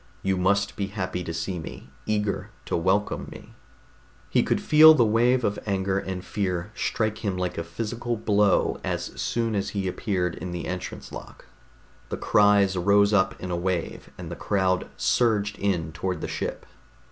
You must be happy to see me, eager to welcome me...._ He could feel the wave of anger and fear strike him like a physical blow as soon as he appeared in the entrance lock. The cries rose up in a wave, and the crowd surged in toward the ship.